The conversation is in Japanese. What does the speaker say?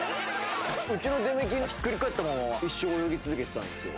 うちの出目金ひっくり返ったまま一生泳ぎ続けてたんですよ。